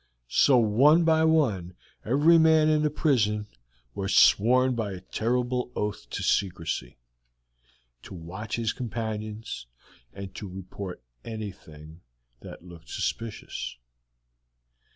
So one by one every man in the prison was sworn by a terrible oath to secrecy, to watch his companions, and to report anything that looked suspicious.